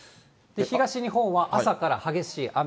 東日本は朝から激しい雨。